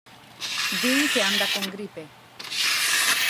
Din que anda con gripe.